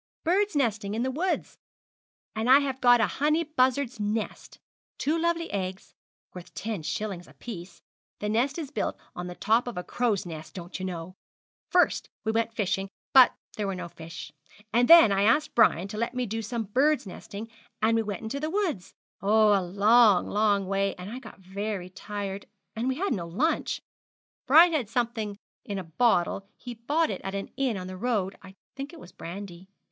'Bird's nesting in the woods, and I have got a honey buzzard's nest two lovely eggs, worth ten shillings apiece the nest is built on the top of a crow's nest, don't you know. First we went fishing, but there were no fish; and then I asked Brian to let me do some bird's nesting, and we went into the woods oh, a long, long way, and I got very tired and we had no lunch. Brian had something in a bottle; he bought it at an inn on the road; I think it was brandy.